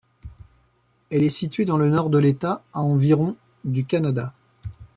Elle est située dans le nord de l'État, à environ du Canada.